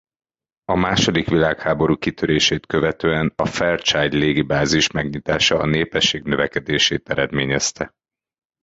A második világháború kitörését követően a Fairchild légibázis megnyitása a népesség növekedését eredményezte.